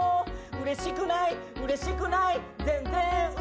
「うれしくないうれしくない全然うれしくない」